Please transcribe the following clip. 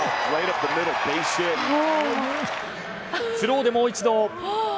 スローでもう一度。